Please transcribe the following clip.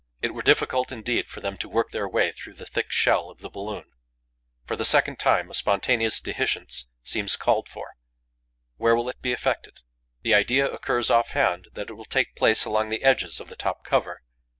It were difficult indeed for them to work their way through the thick shell of the balloon. For the second time, a spontaneous dehiscence seems called for. Where will it be effected? The idea occurs off hand that it will take place along the edges of the top cover.